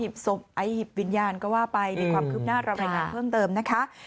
ไอ้หิบวิญญาณก็ว่าไปมีความคืบหน้าเรารายงานเพิ่มเติมนะคะ